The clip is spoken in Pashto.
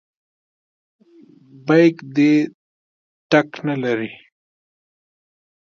بیک دې ټک نه لري.